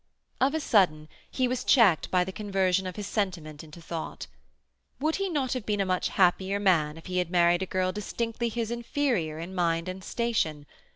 Of a sudden he was checked by the conversion of his sentiment into thought. Would he not have been a much happier man if he had married a girl distinctly his inferior in mind and station?